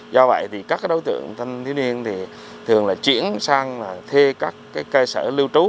do vậy các đối tượng thanh niên thường chuyển sang thê các cơ sở lưu trú